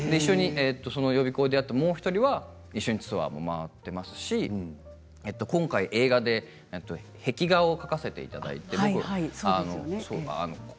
予備校で出会ったもう１人は一緒にツアーも回っていますし今回、映画で壁画を描かせていただいたんです。